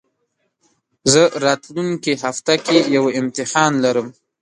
زه راتلونکي هفته کي يو امتحان لرم